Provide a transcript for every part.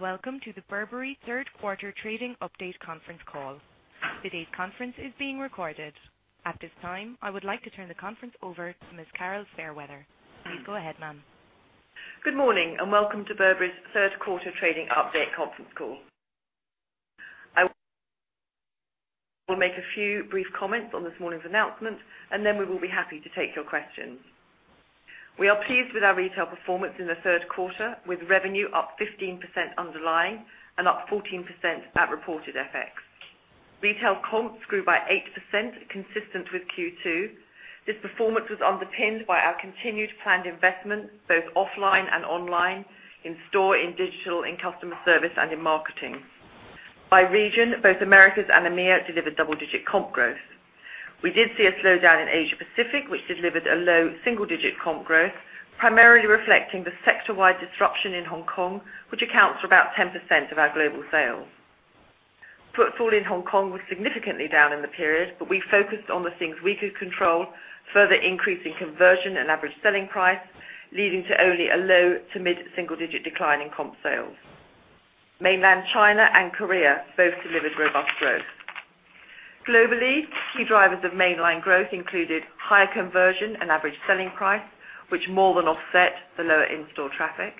Welcome to the Burberry third quarter trading update conference call. Today's conference is being recorded. At this time, I would like to turn the conference over to Ms. Carol Fairweather. Please go ahead, ma'am. Good morning, welcome to Burberry's third quarter trading update conference call. I will make a few brief comments on this morning's announcement, then we will be happy to take your questions. We are pleased with our retail performance in the third quarter, with revenue up 15% underlying and up 14% at reported FX. Retail comps grew by 8%, consistent with Q2. This performance was underpinned by our continued planned investment, both offline and online, in store, in digital, in customer service, and in marketing. By region, both Americas and EMEA delivered double-digit comp growth. We did see a slowdown in Asia Pacific, which delivered a low single-digit comp growth, primarily reflecting the sector-wide disruption in Hong Kong, which accounts for about 10% of our global sales. Footfall in Hong Kong was significantly down in the period, we focused on the things we could control, further increasing conversion and average selling price, leading to only a low to mid-single digit decline in comp sales. Mainland China and Korea both delivered robust growth. Globally, key drivers of mainline growth included higher conversion and average selling price, which more than offset the lower in-store traffic.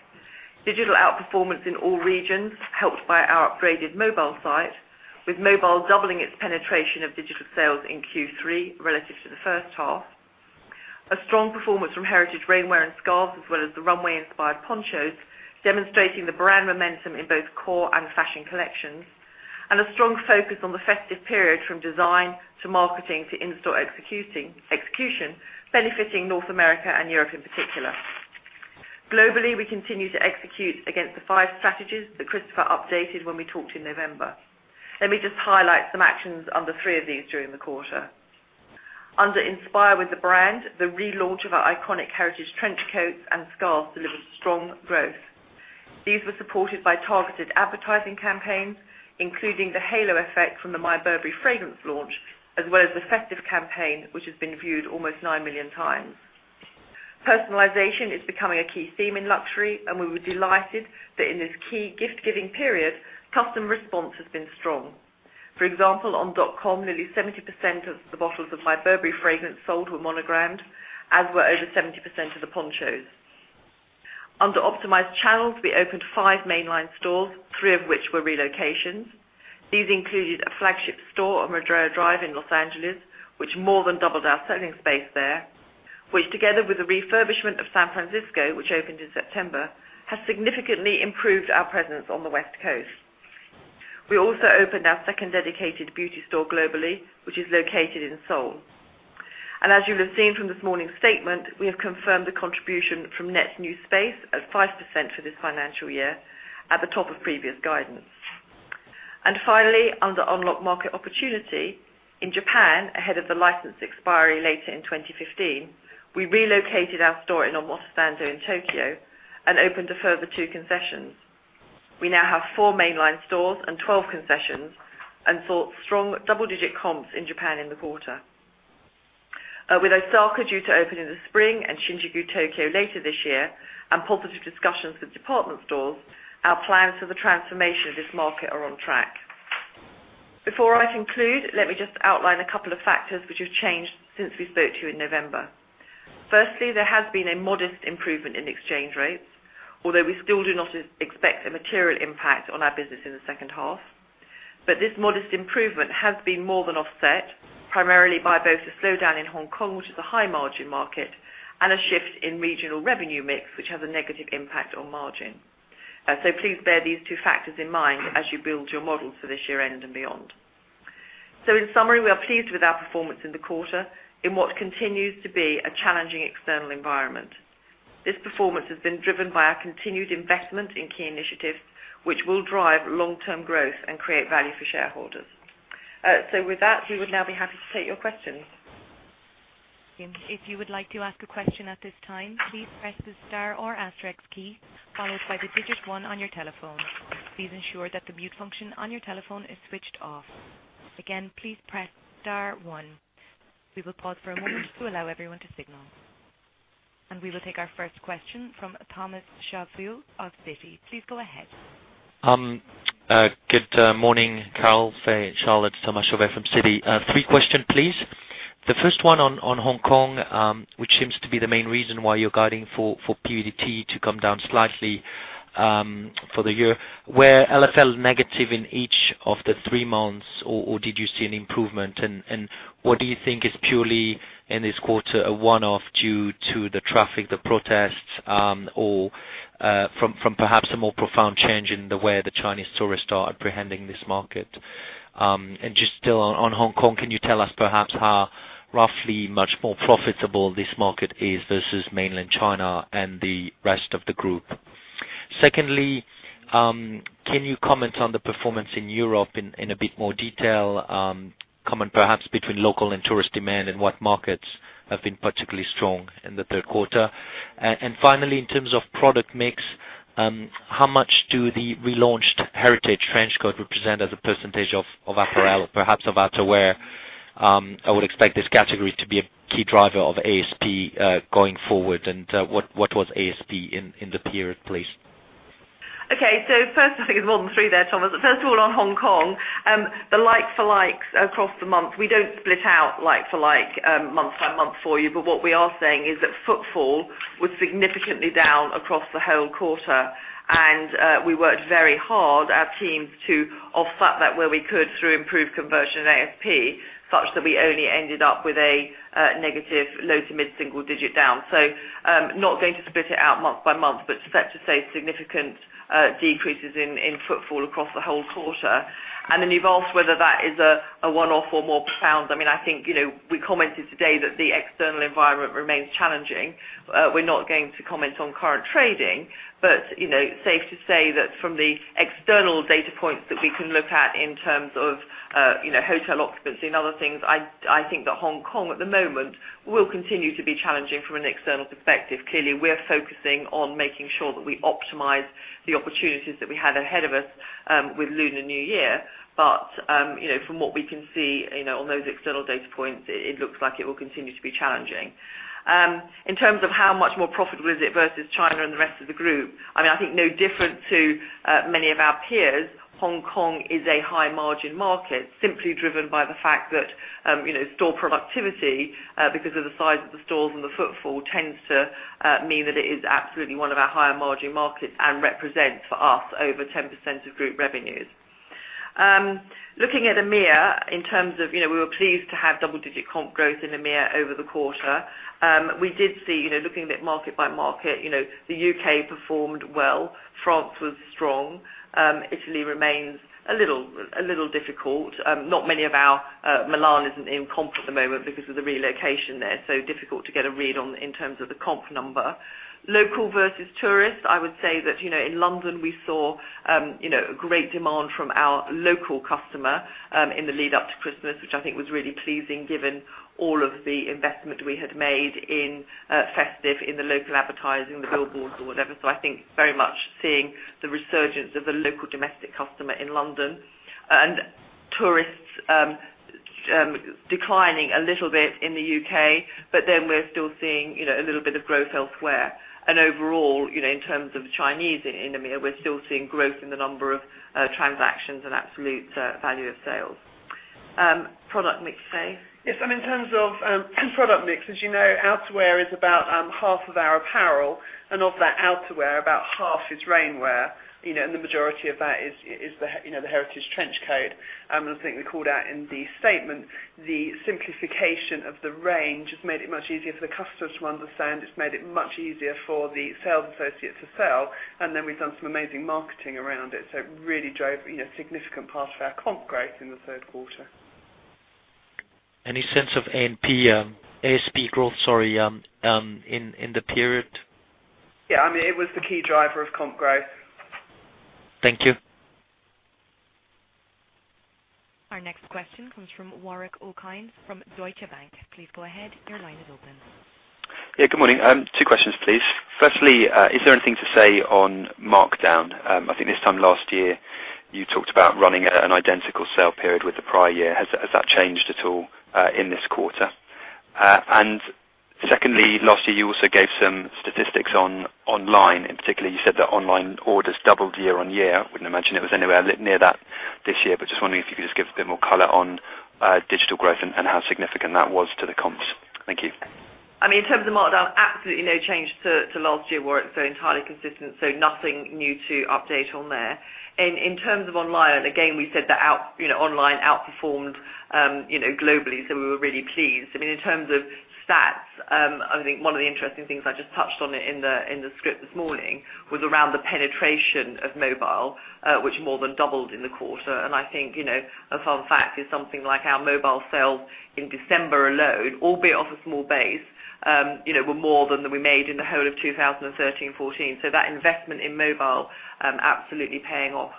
Digital outperformance in all regions, helped by our upgraded mobile site, with mobile doubling its penetration of digital sales in Q3 relative to the first half. A strong performance from Heritage rainwear and scarves, as well as the runway-inspired ponchos, demonstrating the brand momentum in both core and fashion collections, and a strong focus on the festive period from design to marketing to in-store execution, benefiting North America and Europe in particular. Globally, we continue to execute against the five strategies that Christopher updated when we talked in November. Let me just highlight some actions under three of these during the quarter. Under inspire with the brand, the relaunch of our iconic Heritage Trench Coats and scarves delivered strong growth. These were supported by targeted advertising campaigns, including the halo effect from the My Burberry fragrance launch, as well as the festive campaign, which has been viewed almost 9 million times. Personalization is becoming a key theme in luxury, we were delighted that in this key gift-giving period, customer response has been strong. For example, on .com, nearly 70% of the bottles of My Burberry fragrance sold were monogrammed, as were over 70% of the ponchos. Under optimized channels, we opened five mainline stores, three of which were relocations. These included a flagship store on Rodeo Drive in L.A., which more than doubled our selling space there, which together with the refurbishment of San Francisco, which opened in September, has significantly improved our presence on the West Coast. We also opened our second dedicated beauty store globally, which is located in Seoul. As you'll have seen from this morning's statement, we have confirmed the contribution from net new space at 5% for this financial year at the top of previous guidance. Finally, under unlock market opportunity, in Japan, ahead of the license expiry later in 2015, we relocated our store in Omotesando in Tokyo and opened a further two concessions. We now have four mainline stores and 12 concessions and saw strong double-digit comps in Japan in the quarter. With Osaka due to open in the spring and Shinjuku, Tokyo later this year, and positive discussions with department stores, our plans for the transformation of this market are on track. Before I conclude, let me just outline a couple of factors which have changed since we spoke to you in November. Firstly, there has been a modest improvement in exchange rates, although we still do not expect a material impact on our business in the second half. This modest improvement has been more than offset, primarily by both the slowdown in Hong Kong, which is a high-margin market, and a shift in regional revenue mix, which has a negative impact on margin. Please bear these two factors in mind as you build your model for this year-end and beyond. In summary, we are pleased with our performance in the quarter in what continues to be a challenging external environment. This performance has been driven by our continued investment in key initiatives, which will drive long-term growth and create value for shareholders. With that, we would now be happy to take your questions. If you would like to ask a question at this time, please press the star or asterisk key, followed by the digit one on your telephone. Please ensure that the mute function on your telephone is switched off. Again, please press star one. We will pause for a moment to allow everyone to signal. We will take our first question from Thomas Chauvet of Citi. Please go ahead. Good morning, Carol, Faye, Charlotte. Thomas Chauvet from Citi. Three questions, please. The first one on Hong Kong, which seems to be the main reason why you're guiding for PBIT to come down slightly for the year. Were LFL negative in each of the 3 months, or did you see an improvement? What do you think is purely in this quarter a one-off due to the traffic, the protests, or from perhaps a more profound change in the way the Chinese tourists are apprehending this market? Just still on Hong Kong, can you tell us perhaps how roughly much more profitable this market is versus mainland China and the rest of the group? Can you comment on the performance in Europe in a bit more detail, comment perhaps between local and tourist demand and what markets have been particularly strong in the third quarter? Finally, in terms of product mix, how much do the relaunched Heritage Trench Coat represent as a percentage of apparel, perhaps of outerwear? I would expect this category to be a key driver of ASP going forward. What was ASP in the period, please? First, there's more than 3 there, Thomas. First of all, on Hong Kong, the like-for-likes across the month, we don't split out like-for-like, month-by-month for you. What we are saying is that footfall was significantly down across the whole quarter, and we worked very hard, our teams, to offset that where we could through improved conversion in ASP, such that we only ended up with a negative low to mid single digit down. Not going to split it out month-by-month, but it's fair to say significant decreases in footfall across the whole quarter. Then you've asked whether that is a one-off or more profound. We commented today that the external environment remains challenging. We're not going to comment on current trading. It's safe to say that from the external data points that we can look at in terms of hotel occupancy and other things, Hong Kong at the moment will continue to be challenging from an external perspective. Clearly, we're focusing on making sure that we optimize the opportunities that we had ahead of us with Lunar New Year. From what we can see on those external data points, it looks like it will continue to be challenging. In terms of how much more profitable is it versus China and the rest of the group, no different to many of our peers. Hong Kong is a high margin market, simply driven by the fact that store productivity, because of the size of the stores and the footfall, tends to mean that it is absolutely one of our higher margin markets and represents for us over 10% of group revenues. Looking at EMEA, we were pleased to have double-digit comp growth in EMEA over the quarter. We did see, looking a bit market by market, the U.K. performed well, France was strong, Italy remains a little difficult. Milan isn't in comp at the moment because of the relocation there, difficult to get a read in terms of the comp number. Local versus tourist, I would say that, in London, we saw great demand from our local customer in the lead up to Christmas, which I think was really pleasing given all of the investment we had made in festive, in the local advertising, the billboards or whatever. I think very much seeing the resurgence of the local domestic customer in London. Tourists declining a little bit in the U.K., we're still seeing a little bit of growth elsewhere. Overall, in terms of Chinese in EMEA, we're still seeing growth in the number of transactions and absolute value of sales. Product mix, Faye? Yes. In terms of product mix, as you know, outerwear is about half of our apparel, and of that outerwear, about half is rainwear. The majority of that is the Heritage Trench Coat. The thing we called out in the statement, the simplification of the range has made it much easier for the customers to understand. It's made it much easier for the sales associates to sell. We've done some amazing marketing around it. It really drove a significant part of our comp growth in the third quarter. Any sense of ASP growth, sorry, in the period? It was the key driver of comp growth. Thank you. Our next question comes from Warwick Okines from Deutsche Bank. Please go ahead. Your line is open. Good morning. 2 questions, please. Firstly, is there anything to say on markdown? I think this time last year, you talked about running an identical sale period with the prior year. Has that changed at all in this quarter? Secondly, last year you also gave some statistics on online. In particular, you said that online orders doubled year on year. Wouldn't imagine it was anywhere near that this year, but just wondering if you could just give a bit more color on digital growth and how significant that was to the comps. Thank you. In terms of markdown, absolutely no change to last year, Warwick, entirely consistent. Nothing new to update on there. In terms of online, again, we said that online outperformed globally, we were really pleased. In terms of stats, I think one of the interesting things I just touched on it in the script this morning was around the penetration of mobile, which more than doubled in the quarter. And I think, a fun fact is something like our mobile sales in December alone, albeit off a small base, were more than we made in the whole of 2013 and 2014. That investment in mobile absolutely paying off.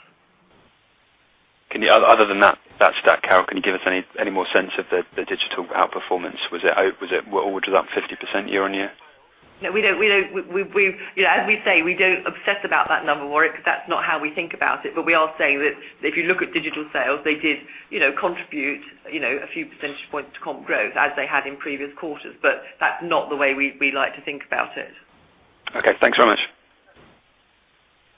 Other than that stat, Carol, can you give us any more sense of the digital outperformance? Was it up 50% year-over-year? As we say, we don't obsess about that number, Warwick. That's not how we think about it. We are saying that if you look at digital sales, they did contribute a few percentage points to comp growth as they had in previous quarters. That's not the way we like to think about it. Okay. Thanks very much.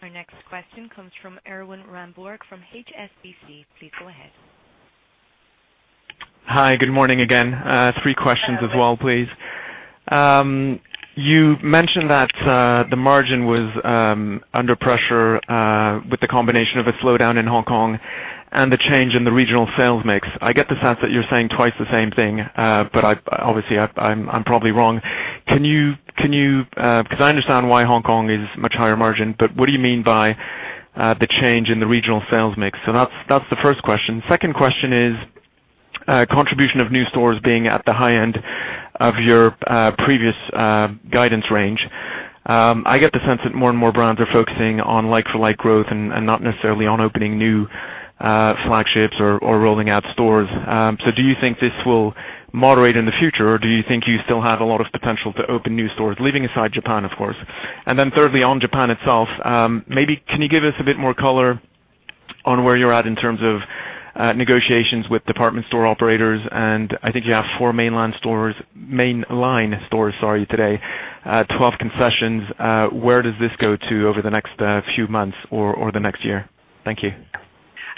Our next question comes from Erwan Rambourg from HSBC. Please go ahead. Hi. Good morning again. Three questions as well, please. You mentioned that the margin was under pressure with the combination of a slowdown in Hong Kong and the change in the regional sales mix. I get the sense that you're saying twice the same thing, but obviously, I'm probably wrong. I understand why Hong Kong is much higher margin, but what do you mean by the change in the regional sales mix? That's the first question. Second question is, contribution of new stores being at the high end of your previous guidance range. I get the sense that more and more brands are focusing on like for like growth and not necessarily on opening new flagships or rolling out stores. Do you think this will moderate in the future, or do you think you still have a lot of potential to open new stores? Leaving aside Japan, of course. Thirdly, on Japan itself, maybe can you give us a bit more color on where you're at in terms of negotiations with department store operators, and I think you have four main line stores, today, 12 concessions. Where does this go to over the next few months or the next year? Thank you.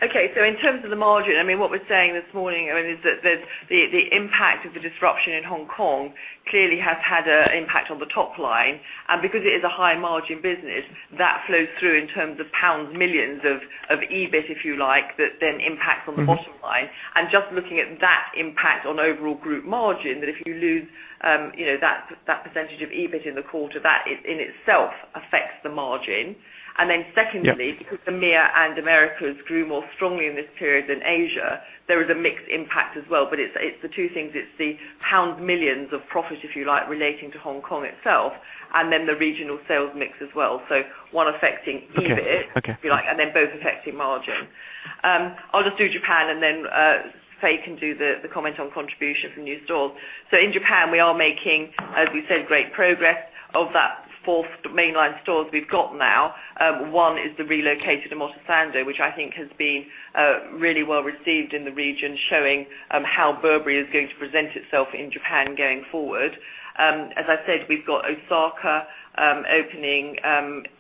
Okay. In terms of the margin, what we're saying this morning, is that the impact of the disruption in Hong Kong clearly has had an impact on the top line. Because it is a high margin business, that flows through in terms of pounds millions of EBIT, if you like, that then impacts on the bottom line. Just looking at that impact on overall group margin, that if you lose that percentage of EBIT in the quarter, that in itself affects the margin. Secondly Yeah The EMEA and Americas grew more strongly in this period than Asia, there is a mixed impact as well. It's the two things. It's the pound millions of profit, if you like, relating to Hong Kong itself, and then the regional sales mix as well. One affecting EBIT- Okay if you like, both affecting margin. I'll just do Japan. Faye can do the comment on contribution from new stores. In Japan, we are making, as we said, great progress. Of that four mainline stores we've got now, one is the relocated Omotesando, which I think has been really well received in the region, showing how Burberry is going to present itself in Japan going forward. As I said, we've got Osaka opening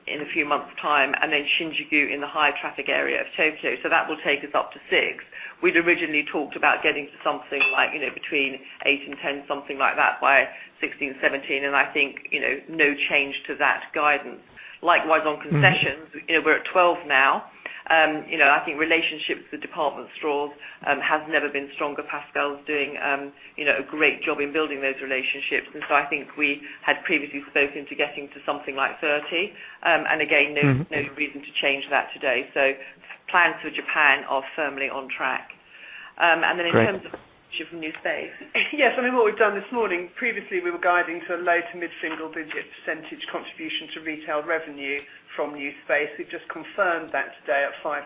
in a few months time, and then Shinjuku in the high traffic area of Tokyo. That will take us up to six. We'd originally talked about getting to something like between eight and 10, something like that, by 2016, 2017, and I think no change to that guidance. Likewise, on concessions, we're at 12 now. I think relationships with department stores have never been stronger. Pascal's doing a great job in building those relationships. I think we had previously spoken to getting to something like 30. And again- no reason to change that today. Plans for Japan are firmly on track. In terms of new space. What we've done this morning, previously, we were guiding to a low to mid single-digit % contribution to retail revenue from new space. We've just confirmed that today at 5%.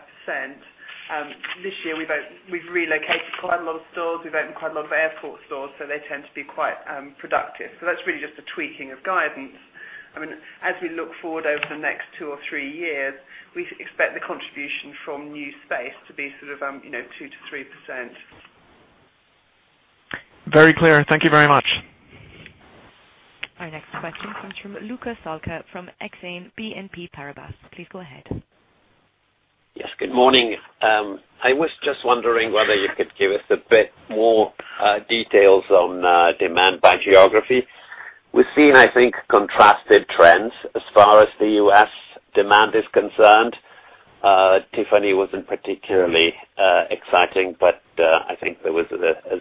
This year, we've relocated quite a lot of stores. We've opened quite a lot of airport stores, so they tend to be quite productive. That's really just a tweaking of guidance. As we look forward over the next two or three years, we expect the contribution from new space to be 2%-3%. Very clear. Thank you very much. Our next question comes from Luca Solca from Exane BNP Paribas. Please go ahead. Good morning. I was just wondering whether you could give us a bit more details on demand by geography. We've seen, I think, contrasted trends as far as the U.S. demand is concerned. Tiffany wasn't particularly exciting, but I think there was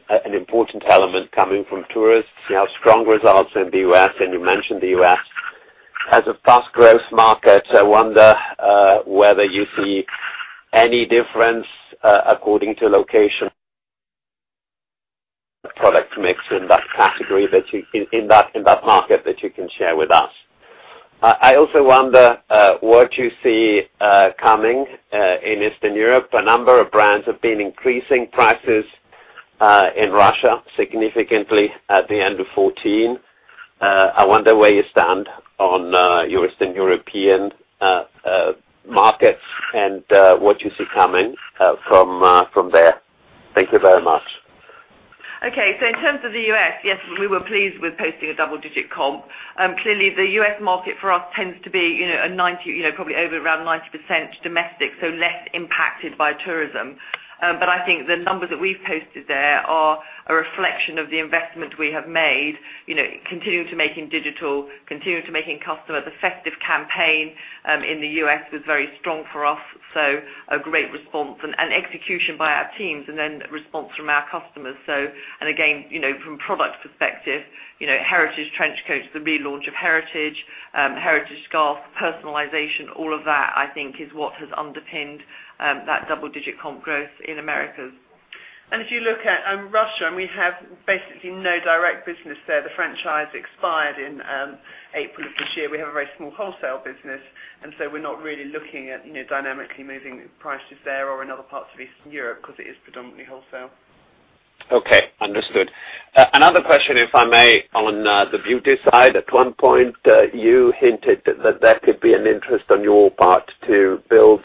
an important element coming from tourists. You have strong results in the U.S., and you mentioned the U.S. as a fast growth market. I wonder whether you see any difference according to location, product mix in that category, in that market that you can share with us. I also wonder what you see coming in Eastern Europe. A number of brands have been increasing prices in Russia significantly at the end of 2014. I wonder where you stand on your Eastern European markets and what you see coming from there. Thank you very much. Okay. In terms of the U.S., yes, we were pleased with posting a double-digit comp. Clearly, the U.S. market for us tends to be probably over around 90% domestic, less impacted by tourism. I think the numbers that we've posted there are a reflection of the investment we have made, continuing to make in digital, continuing to make in customers. Effective campaign in the U.S. was very strong for us. A great response and execution by our teams, then response from our customers. Again, from product perspective, Heritage trench coats, the relaunch of Heritage scarves, personalization, all of that, I think, is what has underpinned that double-digit comp growth in Americas. If you look at Russia, we have basically no direct business there. The franchise expired in April of this year. We have a very small wholesale business, so we're not really looking at dynamically moving prices there or in other parts of Eastern Europe because it is predominantly wholesale. Okay. Understood. Another question, if I may, on the beauty side. At one point, you hinted that there could be an interest on your part to build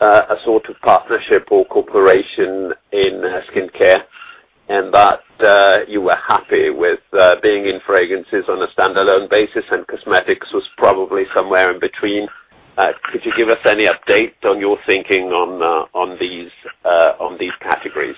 a sort of partnership or cooperation in skin care, that you were happy with being in fragrances on a standalone basis, and cosmetics was probably somewhere in between. Could you give us any update on your thinking on these categories?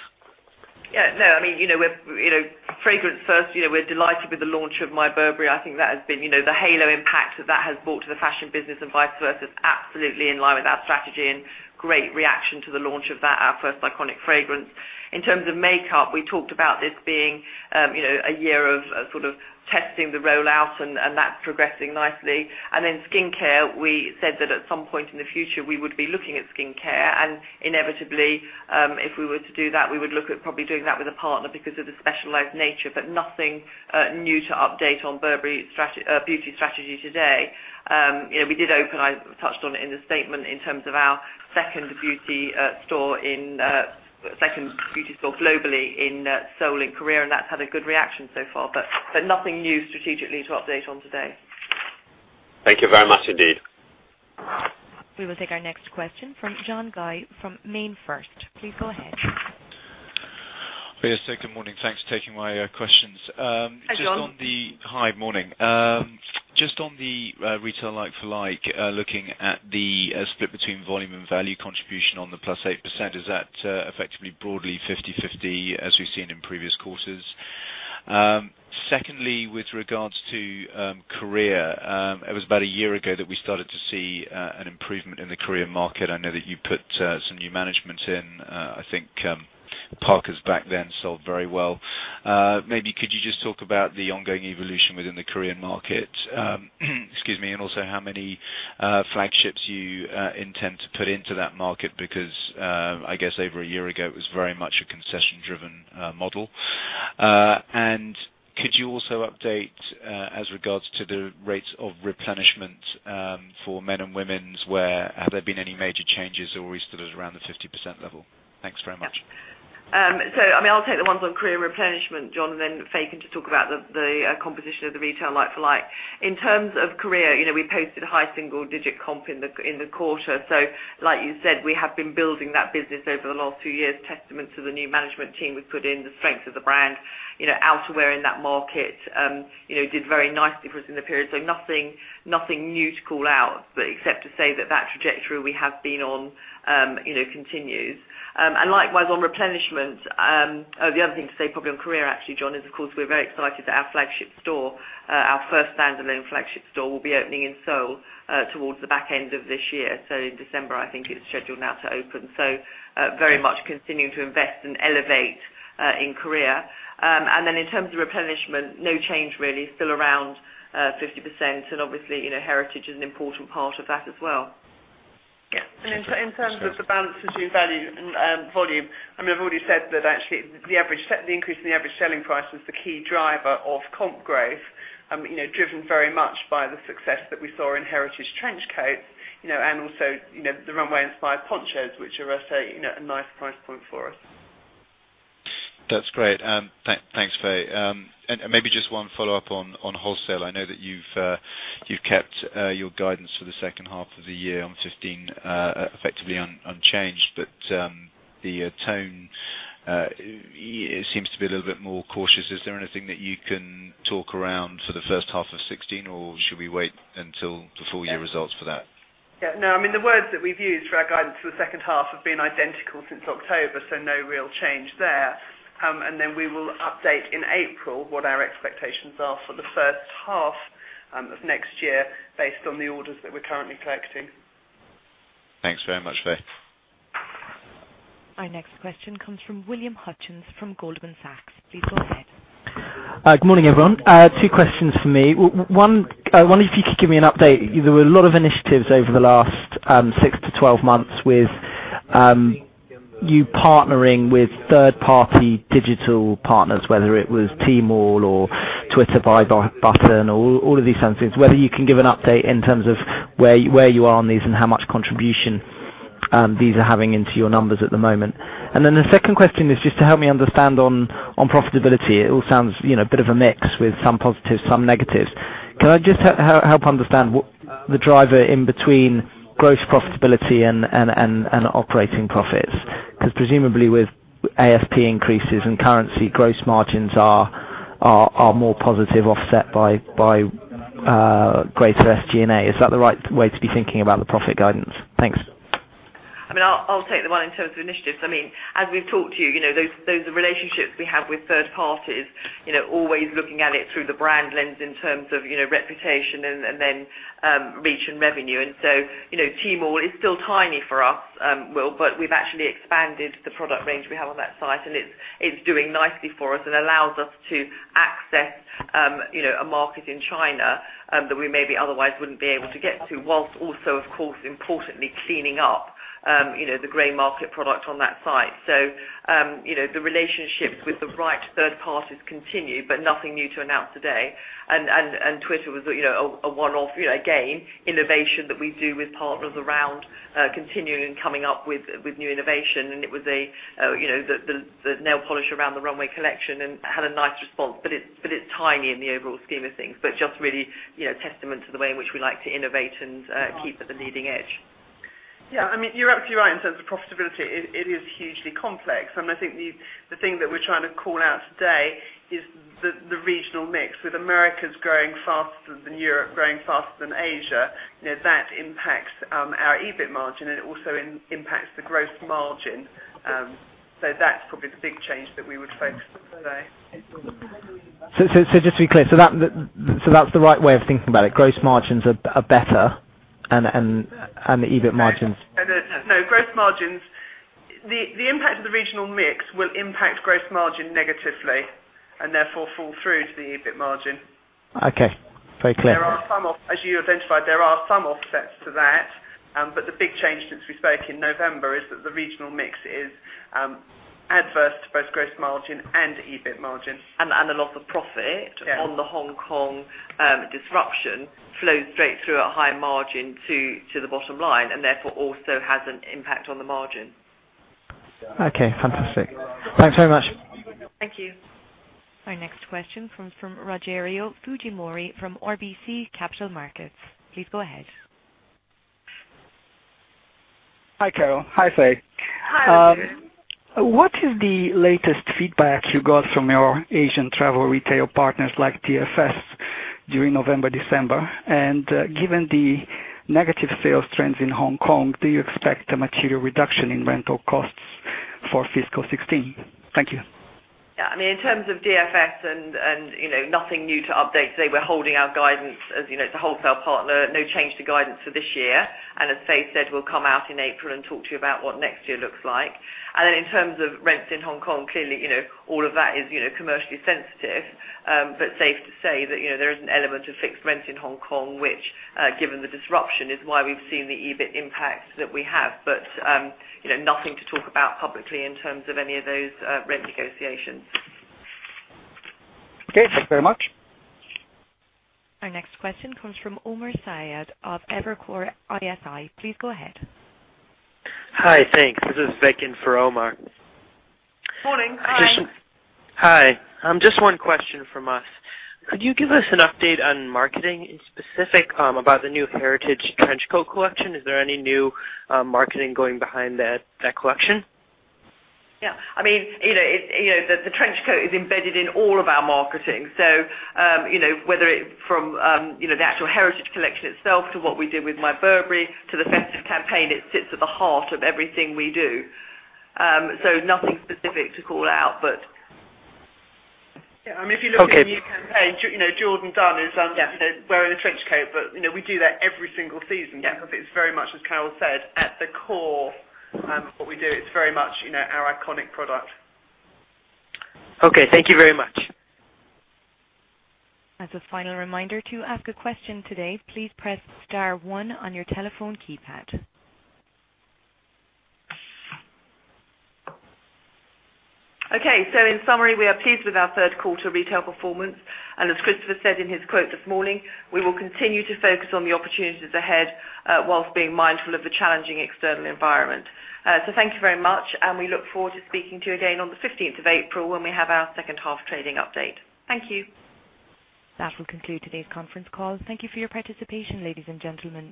No, fragrance first, we're delighted with the launch of My Burberry. I think that has been the halo impact that has brought to the fashion business and vice versa, is absolutely in line with our strategy and great reaction to the launch of that, our first iconic fragrance. In terms of makeup, we talked about this being a year of sort of testing the rollout, and that's progressing nicely. Then skin care, we said that at some point in the future, we would be looking at skin care. Inevitably, if we were to do that, we would look at probably doing that with a partner because of the specialized nature. Nothing new to update on Burberry Beauty strategy today. We did open, I touched on it in the statement in terms of our second beauty store globally in Seoul, in Korea, and that's had a good reaction so far. Nothing new strategically to update on today. Thank you very much, indeed. We will take our next question from John Guy from MainFirst. Please go ahead. Yes. Good morning. Thanks for taking my questions. Hi, John. Hi. Morning. Just on the retail like-for-like, looking at the split between volume and value contribution on the +8%, is that effectively broadly 50/50 as we've seen in previous quarters? Secondly, with regards to Korea, it was about a year ago that we started to see an improvement in the Korean market. I know that you put some new management in. I think parkas back then sold very well. Maybe could you just talk about the ongoing evolution within the Korean market? Excuse me. Also how many flagships you intend to put into that market because, I guess over a year ago, it was very much a concession-driven model. Could you also update as regards to the rates of replenishment for men and women's, have there been any major changes or are we still around the 50% level? Thanks very much. I'll take the ones on Korea replenishment, John, Faye can just talk about the composition of the retail like-for-like. In terms of Korea, we posted high single-digit comp in the quarter. Like you said, we have been building that business over the last two years, testament to the new management team we've put in, the strength of the brand. Outerwear in that market did very nicely for us in the period. Nothing new to call out, except to say that that trajectory we have been on continues. Likewise, on replenishment the other thing to say probably on Korea actually, John, is of course we're very excited that our flagship store, our first standalone flagship store, will be opening in Seoul towards the back end of this year. In December, I think it's scheduled now to open. Very much continuing to invest and elevate in Korea. In terms of replenishment, no change really. Still around 50%, and obviously, Heritage is an important part of that as well. Yeah. In terms of the balance between value and volume, we've already said that actually the increase in the average selling price was the key driver of comp growth. Driven very much by the success that we saw in Heritage trench coats, and also, the runway-inspired ponchos, which are I say, a nice price point for us. That's great. Thanks, Faye. Maybe just one follow-up on wholesale. I know that you've kept your guidance for the second half of the year on 2015 effectively unchanged, the tone seems to be a little bit more cautious. Is there anything that you can talk around for the first half of 2016, or should we wait until the full year results for that? Yeah. No. The words that we've used for our guidance for the second half have been identical since October, no real change there. Then we will update in April what our expectations are for the first half of next year based on the orders that we're currently collecting. Thanks very much, Faye. Our next question comes from William Hutchings from Goldman Sachs. Please go ahead. Good morning, everyone. Two questions for me. One, I wonder if you could give me an update. There were a lot of initiatives over the last six to 12 months with you partnering with third-party digital partners, whether it was Tmall or Twitter buy button, all of these kinds of things. Whether you can give an update in terms of where you are on these and how much contribution these are having into your numbers at the moment. The second question is just to help me understand on profitability. It all sounds a bit of a mix with some positives, some negatives. Can I just help understand the driver in between gross profitability and operating profits? Because presumably with ASP increases and currency gross margins are more positive offset by greater SG&A. Is that the right way to be thinking about the profit guidance? Thanks. I'll take the one in terms of initiatives. As we've talked to you, those are relationships we have with third parties. Always looking at it through the brand lens in terms of reputation, then reach and revenue. Tmall is still tiny for us, Will, but we've actually expanded the product range we have on that site, and it's doing nicely for us and allows us to access a market in China that we maybe otherwise wouldn't be able to get to, whilst also, of course, importantly, cleaning up the gray market product on that site. The relationships with the right third parties continue, but nothing new to announce today. Twitter was a one-off. Again, innovation that we do with partners around continuing and coming up with new innovation. It was the nail polish around the runway collection and had a nice response. It's tiny in the overall scheme of things, but just really testament to the way in which we like to innovate and keep at the leading edge. Yeah. You're absolutely right in terms of profitability. It is hugely complex, and I think the thing that we're trying to call out today is the regional mix with Americas growing faster than Europe growing faster than Asia. That impacts our EBIT margin, and it also impacts the gross margin. That's probably the big change that we would focus on today. Just to be clear, that's the right way of thinking about it. Gross margins are better, and the EBIT margins. No. The impact of the regional mix will impact gross margin negatively and therefore fall through to the EBIT margin. Okay. Very clear. As you identified, there are some offsets to that. The big change since we spoke in November is that the regional mix is adverse to both gross margin and EBIT margin. The loss of profit. Yeah on the Hong Kong disruption flows straight through at high margin to the bottom line, therefore also has an impact on the margin. Okay, fantastic. Thanks very much. Thank you. Our next question comes from Rogerio Fujimori from RBC Capital Markets. Please go ahead. Hi, Carol. Hi, Faye. Hi, Rogerio. What is the latest feedback you got from your Asian travel retail partners like DFS during November, December? Given the negative sales trends in Hong Kong, do you expect a material reduction in rental costs for fiscal 2016? Thank you. In terms of DFS, nothing new to update today. We're holding our guidance. As you know, it's a wholesale partner, no change to guidance for this year. As Faye said, we'll come out in April and talk to you about what next year looks like. In terms of rents in Hong Kong, clearly, all of that is commercially sensitive. Safe to say that there is an element of fixed rent in Hong Kong, which, given the disruption, is why we've seen the EBIT impact that we have. Nothing to talk about publicly in terms of any of those rent negotiations. Okay, thanks very much. Our next question comes from Omar Saad of Evercore ISI. Please go ahead. Hi. Thanks. This is Vicken for Omar. Morning. Hi. Hi. Just one question from us. Could you give us an update on marketing, in specific, about the new Heritage Trench Coat collection? Is there any new marketing going behind that collection? The trench coat is embedded in all of our marketing. Whether from the actual Heritage collection itself to what we do with My Burberry to the festive campaign, it sits at the heart of everything we do. Nothing specific to call out. If you look at the new campaign, Jourdan Dunn is wearing a trench coat, we do that every single season. Yeah. It's very much, as Carol said, at the core of what we do. It's very much our iconic product. Okay. Thank you very much. As a final reminder, to ask a question today, please press star one on your telephone keypad. In summary, we are pleased with our third quarter retail performance, and as Christopher said in his quote this morning, we will continue to focus on the opportunities ahead, while being mindful of the challenging external environment. Thank you very much, and we look forward to speaking to you again on the 15th of April when we have our second half trading update. Thank you. That will conclude today's conference call. Thank you for your participation, ladies and gentlemen.